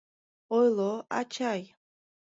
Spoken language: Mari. Ойло, ачай.